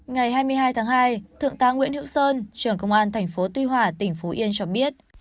ngày hai mươi hai tháng hai thượng tá nguyễn hữu sơn trưởng công an thành phố tuy hòa tỉnh phú yên cho biết